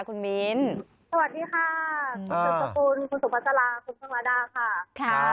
คุณค่ะนะคะอยู่ที่ป่าคลองตลาดค่ะ